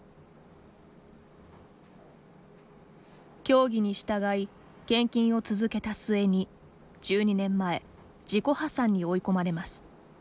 教義に従い献金を続けた末に１２年前自己破産に追い込まれます。